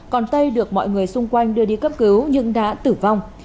còn tây được mọi người xung quanh đưa đi cấp cứu nhưng đã tử vong